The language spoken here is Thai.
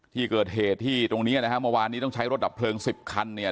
ที่เกิดเหตุที่ตรงเนี้ยนะฮะเมื่อวานนี้ต้องใช้รถดับเพลิงสิบคันเนี่ย